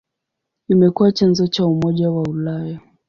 Imekuwa chanzo cha Umoja wa Ulaya.